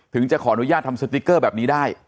จะขออนุญาตทำสติ๊กเกอร์แบบนี้ได้